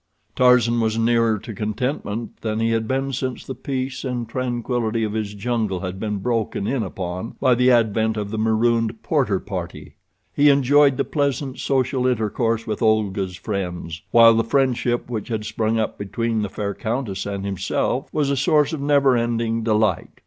Tarzan was nearer to contentment than he had been since the peace and tranquility of his jungle had been broken in upon by the advent of the marooned Porter party. He enjoyed the pleasant social intercourse with Olga's friends, while the friendship which had sprung up between the fair countess and himself was a source of never ending delight.